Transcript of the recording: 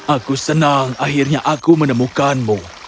aku senang akhirnya aku menemukanmu